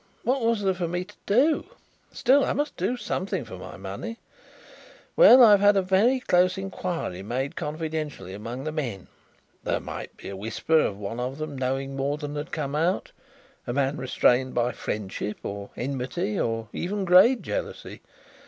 What was there for me to do? Still I must do something for my money. Well, I have had a very close inquiry made confidentially among the men. There might be a whisper of one of them knowing more than had come out a man restrained by friendship, or enmity, or even grade jealousy.